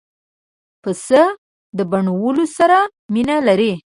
پسه د بڼوالو سره مینه لري.